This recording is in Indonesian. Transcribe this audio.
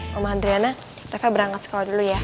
pi om adriana reva berangkat sekolah dulu ya